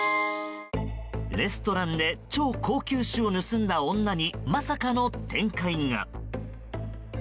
レストランで超高級酒を盗んだ女にまさかの展開が。